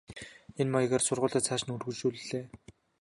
Энэ маягаар сургуулиа цааш нь үргэлжлүүллээ.